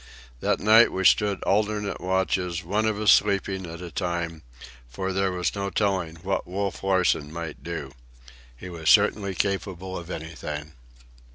That night we stood alternate watches, one of us sleeping at a time; for there was no telling what Wolf Larsen might do. He was certainly capable of anything.